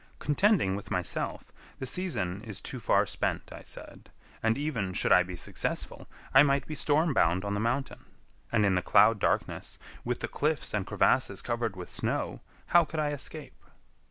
Contending with myself, the season is too far spent, I said, and even should I be successful, I might be storm bound on the mountain; and in the cloud darkness, with the cliffs and crevasses covered with snow, how could I escape?